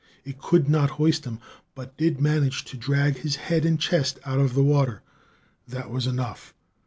It could not hoist him, but did manage to drag his head and chest out of the water. That was enough.